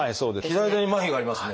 左手にまひがありますね。